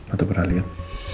atau pernah lihat